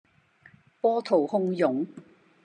波濤洶湧